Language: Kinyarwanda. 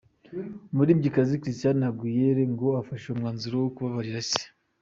Umuririmbyikazi Christina Aguilera ngo yafashe umwanzuro wo kubabarira ise.